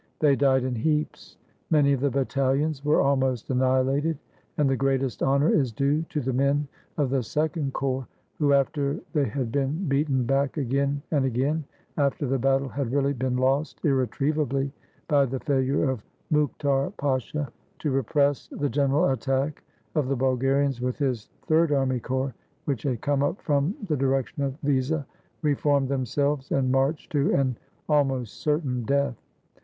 They died in heaps. Many of the battalions were almost annihilated, and the greatest honor is due to the men of the Second Corps, who, after they had been beaten back again and again, after the battle had really been lost irretrievably by the failure of Mukhtar Pasha 443 THE BALKAN STATES to repress the general attack of the Bulgarians with his Third Army Corps, which had come up from the direc tion of Viza, re formed themselves and marched to an almost certain death.